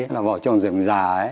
là vào trong rừng già ấy